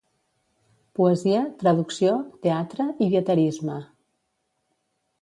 Poesia, traducció, teatre i dietarisme.